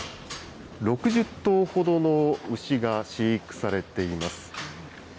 ６０ほどの牛が飼育されています。